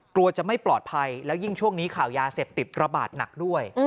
กลัวจะไม่ปลอดภัยแล้วยิ่งช่วงนี้ข่าวยาเสพติดระบาดหนักด้วย